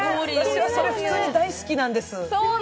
それ普通に大好きなんです。